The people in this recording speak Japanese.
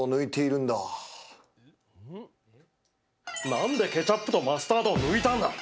なんでケチャップとマスタードを抜いたんだ。